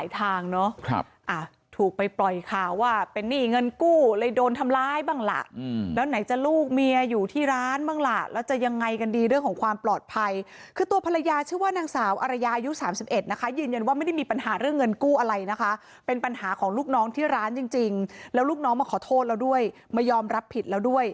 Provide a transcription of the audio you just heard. ทางเนาะถูกไปปล่อยข่าวว่าเป็นหนี้เงินกู้เลยโดนทำร้ายบ้างล่ะแล้วไหนจะลูกเมียอยู่ที่ร้านบ้างล่ะแล้วจะยังไงกันดีเรื่องของความปลอดภัยคือตัวภรรยาชื่อว่านางสาวอารยายุ๓๑นะคะยืนยันว่าไม่ได้มีปัญหาเรื่องเงินกู้อะไรนะคะเป็นปัญหาของลูกน้องที่ร้านจริงแล้วลูกน้องมาขอโทษแล้วด้วยมายอมรับผิดแล้วด้วย